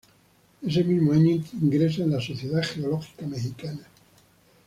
Ese mismo año ingresa a la Sociedad Geológica Mexicana.